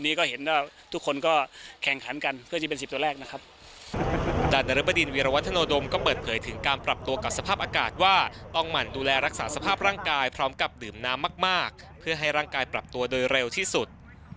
ดันระบดินวิรวัตนโดมก็เปิดเผยถึงการปรับตัวกับสภาพอากาศว่าต้องหมั่นดูแลรักษาสภาพร่างกายพร้อมกับดื่มน้ำมากเพื่อให้ร่างกายปรับตัวโดยเร็วที่สุด